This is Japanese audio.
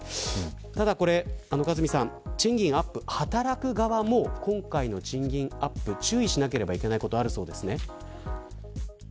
ただ鹿住さん、賃金アップ働く側も今回の賃金アップ注意しなければいけないことがあるそうですね。